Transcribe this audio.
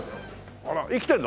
あら生きてんの？